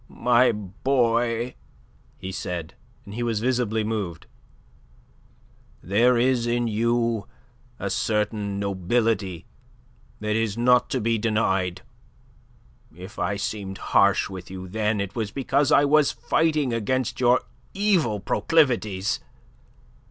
"My boy," he said, and he was visibly moved, "there is in you a certain nobility that is not to be denied. If I seemed harsh with you, then, it was because I was fighting against your evil proclivities.